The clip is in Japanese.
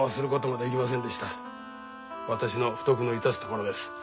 私の不徳の致すところです。